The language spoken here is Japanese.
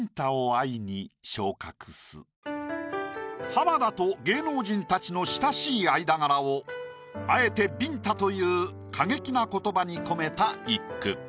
浜田と芸能人たちの親しい間柄をあえてビンタという過激な言葉に込めた一句。